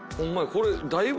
これ。